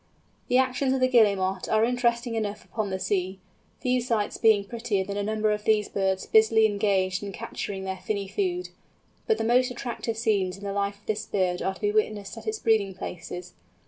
The actions of the Guillemot are interesting enough upon the sea, few sights being prettier than a number of these birds busily engaged in capturing their finny food; but the most attractive scenes in the life of this bird are to be witnessed at its breeding places.